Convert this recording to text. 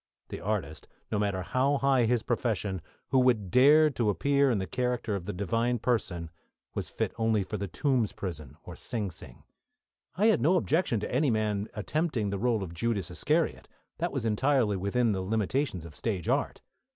The artist, no matter how high in his profession, who would dare to appear in the character of the Divine Person, was fit only for the Tombs prison or Sing Sing. I had no objection to any man attempting the role of Judas Iscariot. That was entirely within the limitations of stage art.